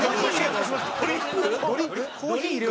コーヒー入れる？